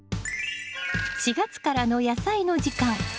４月からの「やさいの時間」